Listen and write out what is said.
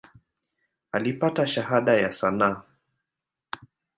Alipata Shahada ya sanaa.